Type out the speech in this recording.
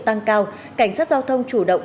tăng cao cảnh sát giao thông chủ động